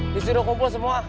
disuruh kumpul semua